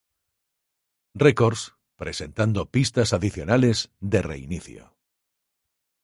Records, presentando pistas adicionales de "Reinicio.